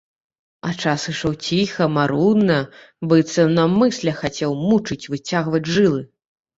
А час ішоў ціха, марудна, быццам наўмысля хацеў мучыць, выцягваць жылы.